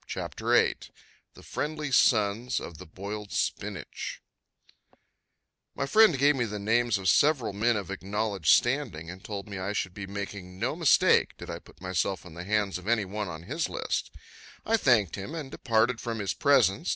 CHAPTER VIII The Friendly Sons of the Boiled Spinach My friend gave me the names of several men of acknowledged standing and told me I should be making no mistake did I put myself in the hands of any one on the list. I thanked him and departed from his presence.